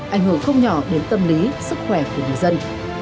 ảnh hưởng không nhỏ đến tâm lý sức khỏe của người dân